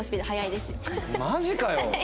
マジかよ！